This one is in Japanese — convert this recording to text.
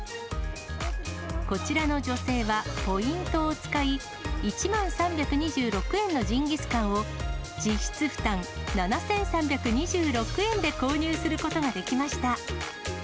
こちらの女性はポイントを使い、１万３２６円のジンギスカンを実質負担７３２６円で購入することができました。